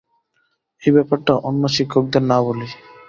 এই ব্যাপারটা অন্য শিক্ষকদের না বলি।